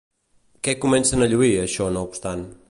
Què comencen a lluir, això no obstant?